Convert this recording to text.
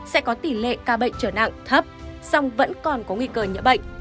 sẽ có tỷ lệ ca bệnh trở nặng thấp